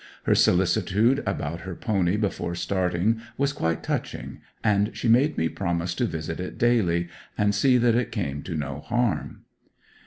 Her solicitude about her pony before starting was quite touching, and she made me promise to visit it daily, and see that it came to no harm.